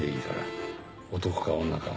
男か女か。